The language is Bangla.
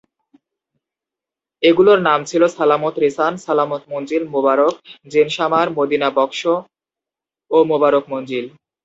এগুলির নাম ছিল সালামত রেসান, সালামত মঞ্জিল, মুবারক, জেনসামার, মদিনা বখ্শ ও মোবারক মঞ্জিল।